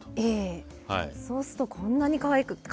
ええそうするとこんなにかわいく。